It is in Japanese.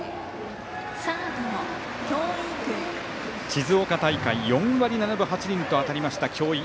静岡大会４割７分８厘と当たりました、京井。